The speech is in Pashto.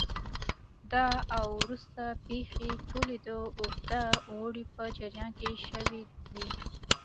دا او وروسته پېښې ټولې د اوږده اوړي په جریان کې شوې دي